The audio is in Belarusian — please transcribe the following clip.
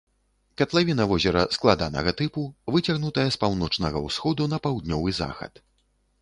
Катлавіна возера складанага тыпу, выцягнутая з паўночнага ўсходу на паўднёвы захад.